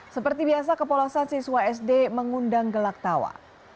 seperti biasa kepolosan siswa sd mengundang gelak tawa